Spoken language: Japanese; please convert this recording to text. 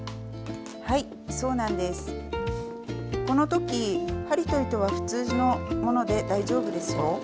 この時針と糸は普通のもので大丈夫ですよ。